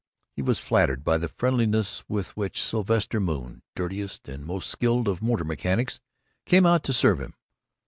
He was flattered by the friendliness with which Sylvester Moon, dirtiest and most skilled of motor mechanics, came out to serve him.